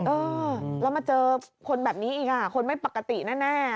เออแล้วมาเจอคนแบบนี้อีกอ่ะคนไม่ปกติแน่